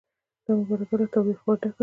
دا مبارزه له تاوتریخوالي ډکه وي